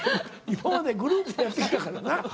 今までグループでやってきたからな。